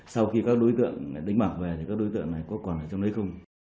sau khi các đối tượng đánh bạc về thì các đối tượng này có còn ở trong đấy không